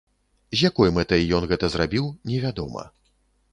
З якой мэтай ён гэта зрабіў, невядома.